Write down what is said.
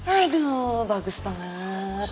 aduh bagus banget